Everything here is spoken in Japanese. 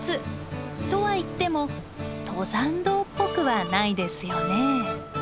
とはいっても登山道っぽくはないですよね。